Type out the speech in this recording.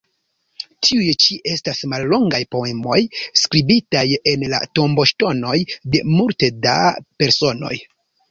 Tiuj ĉi estas mallongaj poemoj skribitaj en la tomboŝtonoj de multe da personoj.